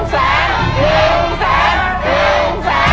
๑แสน